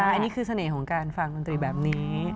อันนี้คือเสน่ห์ของการฟังดนตรีแบบนี้